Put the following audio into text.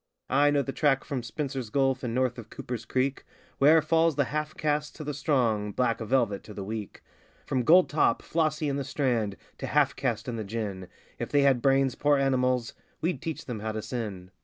I know the track from Spencer's Gulf and north of Cooper's Creek Where falls the half caste to the strong, 'black velvet' to the weak (From gold top Flossie in the Strand to half caste and the gin If they had brains, poor animals! we'd teach them how to sin.)